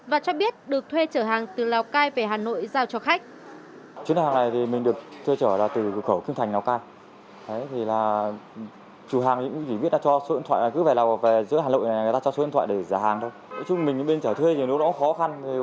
và cho biết được thuê trở hàng từ lào cai về hà nội giao cho khách